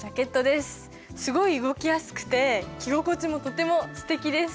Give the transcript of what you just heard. すごい動きやすくて着心地もとてもすてきです。